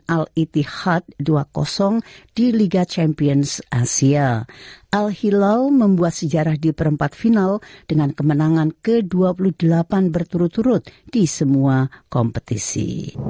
al hilal membuat sejarah di perempat final dengan kemenangan ke dua puluh delapan berturut turut di semua kompetisi